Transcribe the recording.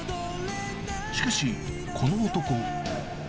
しかし、この男。